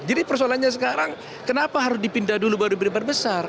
jadi persoalannya sekarang kenapa harus dipindah dulu baru diperbesar